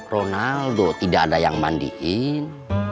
ronaldo tidak ada yang mandiin